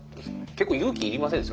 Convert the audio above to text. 結構勇気いりませんでした？